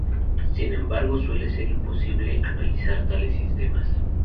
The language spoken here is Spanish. Sin embargo suele ser imposible analizar tales sistemas.